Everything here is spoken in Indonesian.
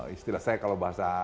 istilah saya kalau bahasa